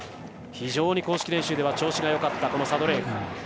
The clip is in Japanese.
非常に公式練習では調子がよかったサドレーエフ。